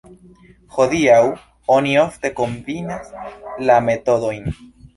Hodiaŭ oni ofte kombinas la metodojn.